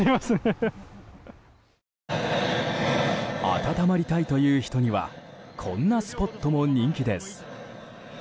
暖まりたいという人にはこんなスポットも人気です。